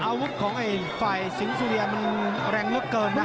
อาวุธของไอ้ฝ่ายสิงสุเรียมันแรงเกินมาก